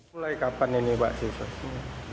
mulai kapan ini pak siswa